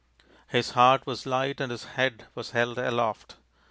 His heart was light and his head was held aloft.